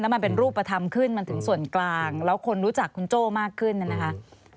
มันเป็นรูปธรรมขึ้นมันถึงส่วนกลางแล้วคนรู้จักคุณโจ้มากขึ้นเนี่ยนะคะ